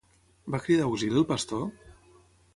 Va cridar auxili el pastor?